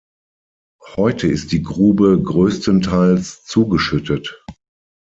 Heute ist die Grube größtenteils zugeschüttet.